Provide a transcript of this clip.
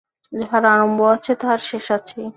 যাহার আরম্ভ আছে, তাহার শেষ আছেই।